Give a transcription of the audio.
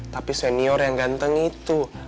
tapi senior yang ganteng itu